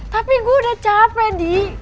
tapi gue udah capek nih